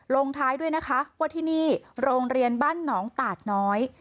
ลงท้ายด้วยนะคะว่าที่นี่โรงเรียนบ้านหนองตาดน้อย